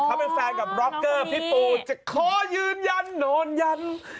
เขาเป็นแฟนกับร็อกเกอร์พี่ปูจะขอยืนยันโดนยัน